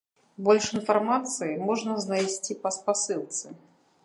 Больш інфармацыі можна знайсці па спасылцы.